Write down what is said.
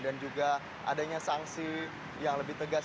dan juga adanya sanksi yang lebih tegas